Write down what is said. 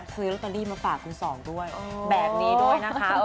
เคยลอตเตอรี่มาฝากคุณสองด้วยแบบนี้ด้วยนะคะ